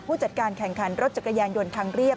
จัดการแข่งขันรถจักรยานยนต์ทางเรียบ